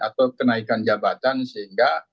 atau kenaikan jabatan sehingga